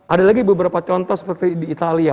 ada lagi beberapa contoh seperti di italia